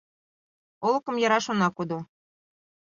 Олыкым яраш она кодо, -